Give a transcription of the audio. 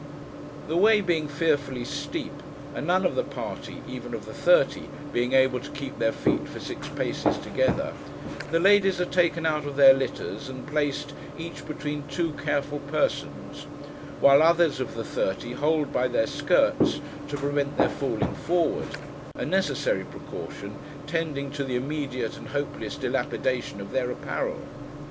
The way being fearfully steep, and none of the party: even of the thirty: being able to keep their feet for six paces together, the ladies are taken out of their litters, and placed, each between two careful persons; while others of the thirty hold by their skirts, to prevent their falling forward—a necessary precaution, tending to the immediate and hopeless dilapidation of their apparel.